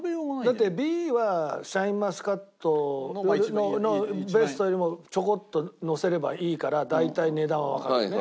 だってＢはシャインマスカットのベストよりもちょこっとのせればいいから大体値段はわかるよね